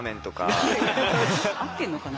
合ってんのかな？